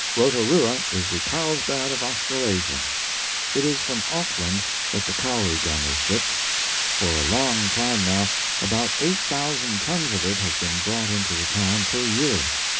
Rotorua is the Carlsbad of Australasia. It is from Auckland that the Kauri gum is shipped. For a long time now about 8,000 tons of it have been brought into the town per year.